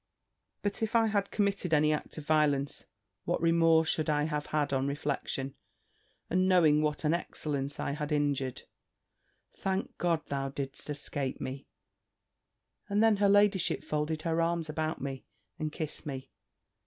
But if I had committed any act of violence, what remorse should I have had on reflection, and knowing what an excellence I had injured! Thank God thou didst escape me!" And then her ladyship folded her arms about me, and kissed me.